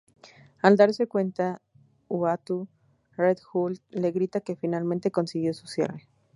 Al darse cuenta de Uatu, Red Hulk le grita que finalmente consiguió su cierre.